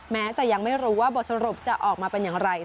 แม้จะยังไม่รู้ว่าบทสรุปจะออกมาเป็นอย่างไร